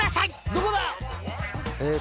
どこだ？